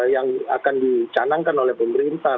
yang akan dicanangkan oleh pemerintah